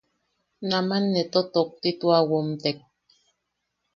Naman ne tokti tua womtek.